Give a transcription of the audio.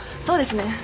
そうですね。